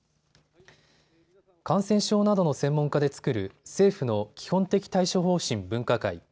感染症などの専門家で作る政府の基本的対処方針分科会。